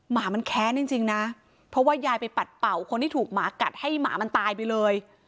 หมามันแค้นจริงนะเพราะว่ายายไปปัดเป่าคนที่ถูกหมากัดให้หมามันตายไปเลย